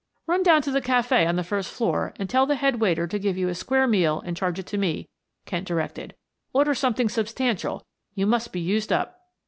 "Run down to the cafe on the first floor and tell the head waiter to give you a square meal and charge it to me," Kent directed. "Order something substantial; you must be used up."